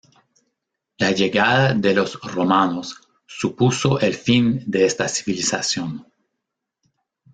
La llegada de los romanos supuso el fin de esta civilización.